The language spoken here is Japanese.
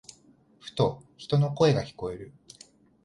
ふと、人の声が聞こえる。